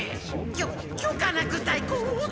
きょ許可なく大根をほっては。